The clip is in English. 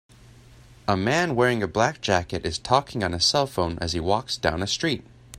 A man wearing a black jacket is talking on a cellphone as he walks down a street.